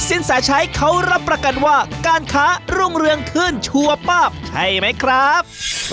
เอาละครับยังกลับมาอยู่กับพี่ชายเราอะไรครับผม